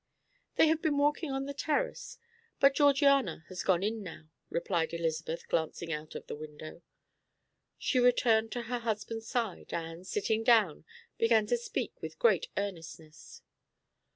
"They have been walking on the terrace, but Georgiana has gone in now," replied Elizabeth, glancing out of the window. She returned to her husband's side, and, sitting down, began to speak with great earnestness.